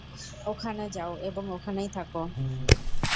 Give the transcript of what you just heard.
ওখানে যাও এবং ওখানেই থাক।